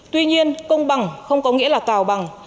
tuy nhiên công bằng không có nghĩa là tào bằng